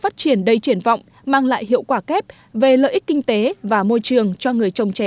phát triển đầy triển vọng mang lại hiệu quả kép về lợi ích kinh tế và môi trường cho người trồng chè